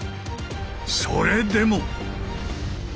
それでも！